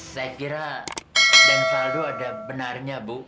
saya kira dan valdo ada benarnya bu